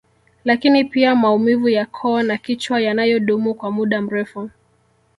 Lakini pia maumivu ya koo na kichwa yanayodumu kwa muda mrefu